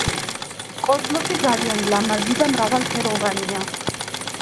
კოსმოსი ძალიან ლამაზი და მრავალფეროვანია